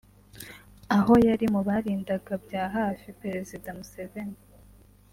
aho yari mu barindaga bya hafi Perezida Museveni